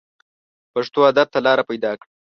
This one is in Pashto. پښتو ادب ته لاره پیدا کړه